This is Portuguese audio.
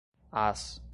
às